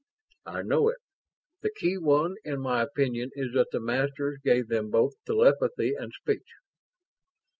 "I know it. The key one in my opinion is that the Masters gave 'em both telepathy and speech."